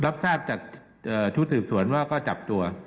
รับทราบจากชุดสืบสวนว่าก็จับตัว